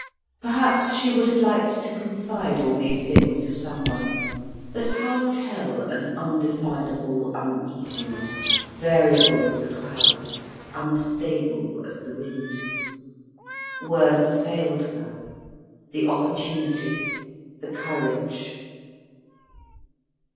Perhaps she would have liked to confide all these things to someone. But how tell an undefinable uneasiness, variable as the clouds, unstable as the winds? Words failed her the opportunity, the courage.